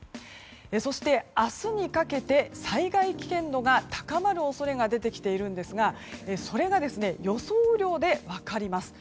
そして、明日にかけて災害危険度が高まる恐れが出てきているんですがそれが、予想雨量で分かります。